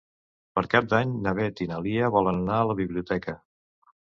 Per Cap d'Any na Beth i na Lia volen anar a la biblioteca.